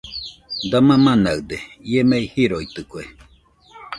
!Dama manaɨde¡ ie mei jiroitɨke